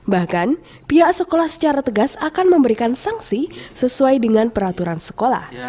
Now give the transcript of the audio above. bahkan pihak sekolah secara tegas akan memberikan sanksi sesuai dengan peraturan sekolah